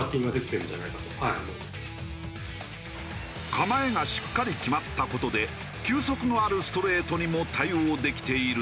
構えがしっかり決まった事で球速のあるストレートにも対応できているという。